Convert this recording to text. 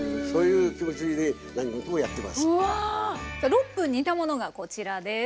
６分煮たものがこちらです。